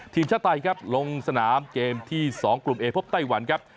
ทีมชาติไทยครับลงสนามเกมที่๒กลุ่มเอพบไต้หวันครับ